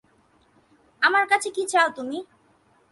আমার কাছে কী চাও তুমি।